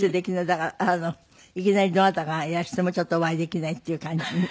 だからいきなりどなたかがいらしてもちょっとお会いできないっていう感じね。